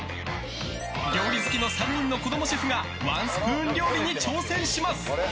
料理好きの３人の子供シェフがワンスプーン料理に挑戦します。